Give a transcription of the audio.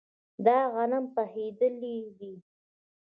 دا غنم پخیدلي دي.